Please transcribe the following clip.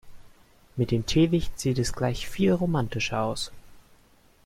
Mit dem Teelicht sieht es gleich viel romantischer aus.